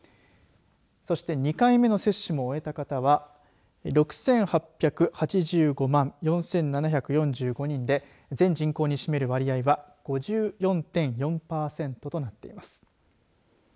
そして２回目の接種も終えた方は６８８５万４７４５人で全人口に占める割合は５４．４パーセントとなっています。